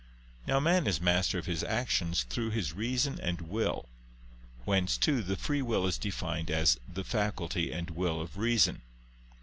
Now man is master of his actions through his reason and will; whence, too, the free will is defined as "the faculty and will of reason."